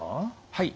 はい。